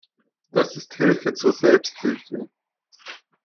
Das ist Hilfe zur Selbsthilfe.